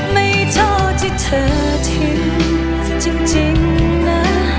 ไม่เท่าที่เธอทิ้งจริงนะ